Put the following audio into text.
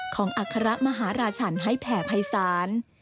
ของอัคระมหาราชรรภ์ให้แผ่ภายศาล